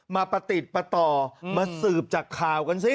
ประติดประต่อมาสืบจากข่าวกันสิ